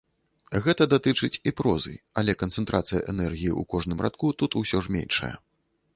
Гэта датычыць і прозы, але канцэнтрацыя энергіі ў кожным радку тут усё ж меншая.